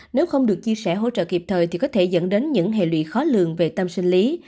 nếu không được chia sẻ hỗ trợ kịp thời thì có thể dẫn đến những hệ lụy khó lường về tâm sinh lý